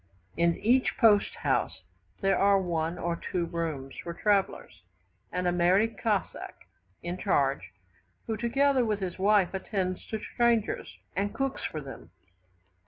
In each post house, there are one or two rooms for travellers, and a married Cossack in charge, who, together with his wife, attends to strangers, and cooks for them.